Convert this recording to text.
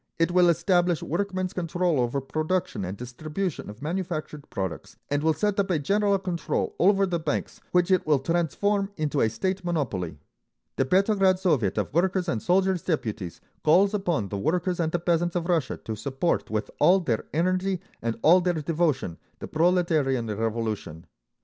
It will establish workmen's control over production and distribution of manufactured products, and will set up a general control over the banks, which it will transform into a state monopoly. The Petrograd Soviet of Workers' and Soldiers' Deputies calls upon the workers and the peasants of Russia to support with all their energy and all their devotion the Proletarian Revolution.